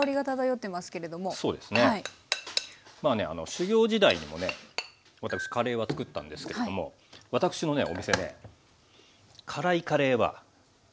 修業時代にもね私カレーは作ったんですけれども私のねお店ね辛いカレーは禁止だったんですよ。